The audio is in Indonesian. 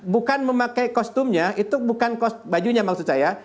bukan memakai kostumnya itu bukan bajunya maksud saya